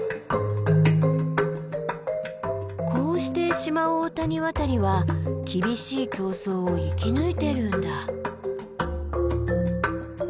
こうしてシマオオタニワタリは厳しい競争を生き抜いてるんだ。